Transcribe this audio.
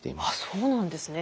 そうなんですね。